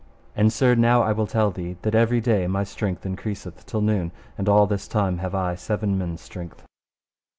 And, sir, now I will thee tell that every day my strength increaseth till noon, and all this time have I seven men's strength.